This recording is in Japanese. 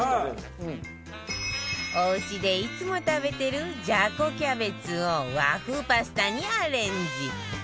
おうちでいつも食べてるじゃこキャベツを和風パスタにアレンジ